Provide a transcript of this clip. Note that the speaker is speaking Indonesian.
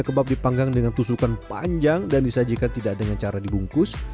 terus dibungkus dengan muk yang cukup dibutuhkan panjang dan disajikan tidak dengan cara dibungkus